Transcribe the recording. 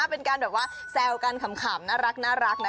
เป็นแบบแซวกันขำน่ารักนะคะ